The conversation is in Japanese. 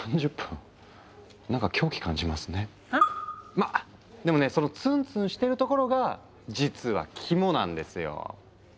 まあでもねそのツンツンしてるところが実はキモなんですよ。